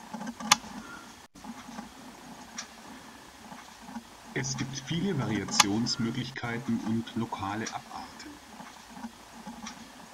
Es gibt viele Variationsmöglichkeiten und lokale Abarten.